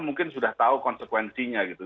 mungkin sudah tahu konsekuensinya gitu